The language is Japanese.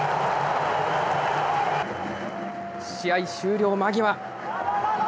試合終了間際。